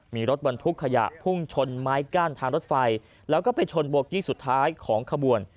มีรถบรรทุกขยะพุ่งชนไม้กั้นทางรถไฟแล้วก็ไปชนโบกี้สุดท้ายของขบวน